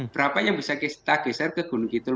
berapa yang bisa kita geser ke gunung kidul